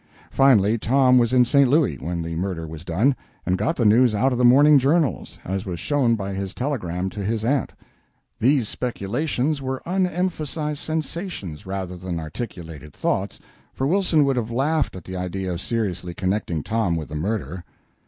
Finally, Tom was in St. Louis when the murder was done, and got the news out of the morning journals, as was shown by his telegram to his aunt. These speculations were unemphasized sensations rather than articulated thoughts, for Wilson would have laughed at the idea of seriously connecting Tom with the murder.